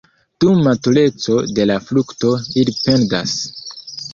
Dum matureco de la frukto ili pendas.